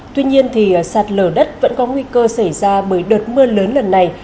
tuy nhiên sạt lở đất vẫn có nguy cơ xảy ra bởi đợt mưa lớn lần này